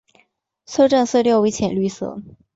车站色调为浅绿色。